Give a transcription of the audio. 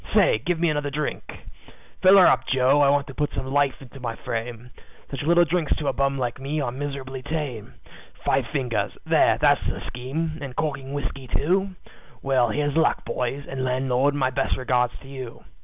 Say, give me another drink. "Fill her up, Joe, I want to put some life into my frame Such little drinks to a bum like me are miserably tame; Five fingers there, that's the scheme and corking whiskey, too. Well, here's luck, boys, and landlord, my best regards to you.